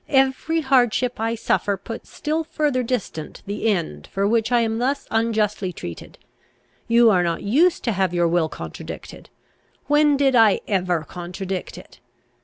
Every hardship I suffer puts still further distant the end for which I am thus unjustly treated. You are not used to have your will contradicted! When did I ever contradict it?